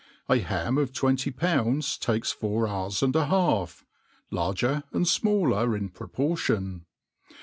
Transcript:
A ham of twen ty ppunj^s takes four hours apd a half, larger and fmalkr ii^ proportion.